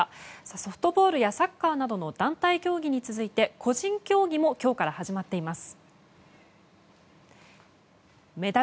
ソフトボールやサッカーなどの団体競技に続いて個人競技も今日から始まっています。